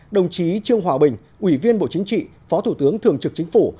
đồng chí trương hòa bình ủy viên bộ chính trị phó thủ tướng thường trực chính phủ